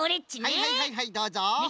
はいはいはいはいどうぞ！